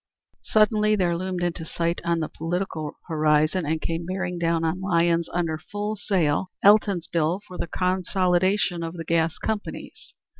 Suddenly there loomed into sight on the political horizon, and came bearing down on Lyons under full sail, Elton's bill for the consolidation of the gas companies.